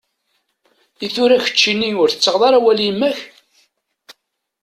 Itura keččini, ur tettaɣeḍ ara awal i yemma-k?